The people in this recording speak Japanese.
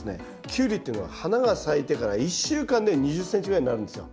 キュウリっていうのは花が咲いてから１週間で２０ｃｍぐらいになるんですよ。